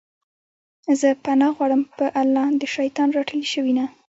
زه پناه غواړم په الله د شيطان رټلي شوي نه